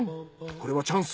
これはチャンス。